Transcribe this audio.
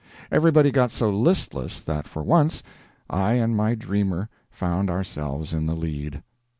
Everybody got so listless that for once I and my dreamer found ourselves in the lead.